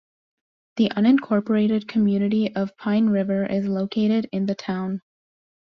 The unincorporated community of Pine River is located in the town.